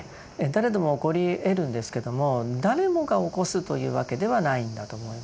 誰でも起こり得るんですけども誰もが起こすというわけではないんだと思いますね。